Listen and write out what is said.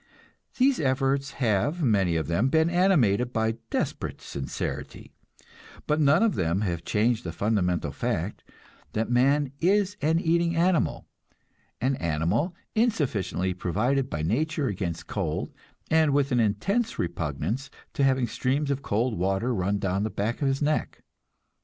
These efforts have many of them been animated by desperate sincerity, but none of them have changed the fundamental fact that man is an eating animal, an animal insufficiently provided by nature against cold, and with an intense repugnance to having streams of cold water run down back of his neck.